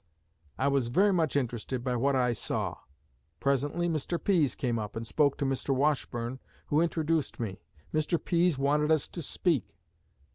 I was very much interested by what I saw. Presently, Mr. Pease came up and spoke to Mr. Washburne, who introduced me. Mr. Pease wanted us to speak.